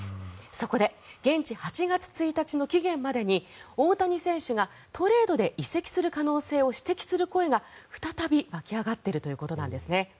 そこで現地８月１日の期限までに大谷選手がトレードで移籍する可能性を指摘する声が再び湧き上がっているということです。